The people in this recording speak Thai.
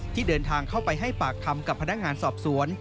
ที่เดินทางเข้าไปให้ปากคำกับพนักงานสอบสวน